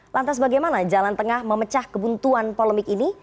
lantas bagaimana jalan tengah memecah kebuntuan polemik ini